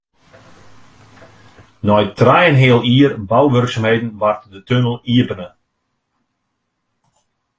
Nei trije en in heal jier bouwurksumheden waard de tunnel iepene.